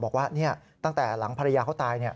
บอกว่าตั้งแต่หลังภรรยาเขาตาย